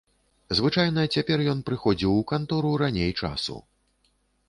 Звычайна цяпер ён прыходзіў у кантору раней часу.